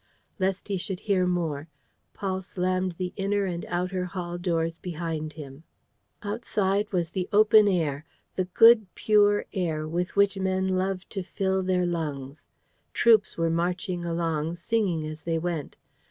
..." Lest he should hear more, Paul slammed the inner and outer hall doors behind him. Outside was the open air, the good pure air with which men love to fill their lungs. Troops were marching along, singing as they went.